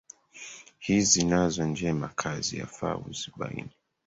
Hizi nazo njema kazi, yafaa uzibaini